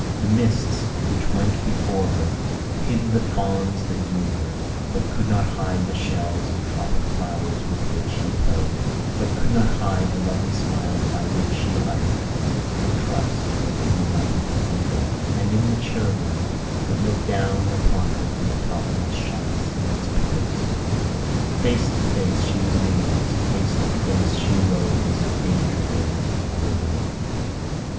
The mists, which went before her, hid the fawns that drew her, but could not hide the shells and tropic flowers with which she played but could not hide the lovely smiles by which she uttered her trust in the mighty cathedral, and in the cherubim that looked down upon her from the topmast shafts of its pillars. Face to face she was meeting us; face to face she rode, as if danger there were none.